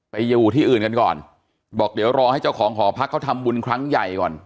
ไปอยู่ที่อื่นกันก่อนบอกเดี๋ยวรอให้เจ้าของหอพักเขาทำบุญครั้งใหญ่ก่อน